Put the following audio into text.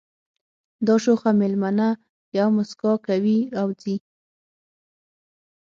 دا شوخه مېلمنه یوه مسکا کوي او ځي